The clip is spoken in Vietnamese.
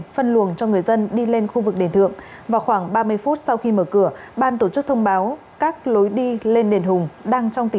xin chào và hẹn gặp lại